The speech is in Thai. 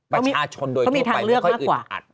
ประชาชนโดยทั่วไปไม่ค่อยอึดอัด